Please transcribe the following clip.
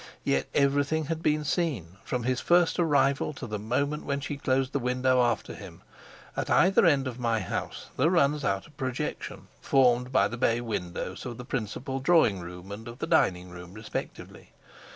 Yet everything had been seen, from his first arrival to the moment when she closed the window after him. At either end of my house there runs out a projection, formed by the bay windows of the principal drawing room and of the dining room respectively.